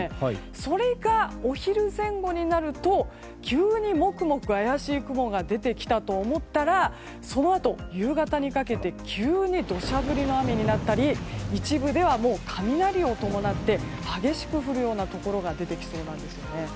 それが、お昼前後になると急にもくもく怪しい雲が出てきたと思ったらその後、夕方にかけて急に土砂降りの雨になったり一部では雷を伴って激しく降るようなところが出てきそうなんですよね。